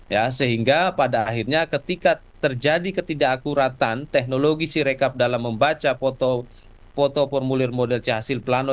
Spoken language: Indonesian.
ya sehingga pada akhirnya ketika terjadi ketidakakuratan teknologi sirekap dalam membaca foto formulir model chasil plano